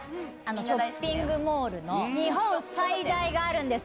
ショッピングモールの日本最大があるんです。